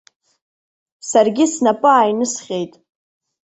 Саргьы снапы ааинысҟьеит.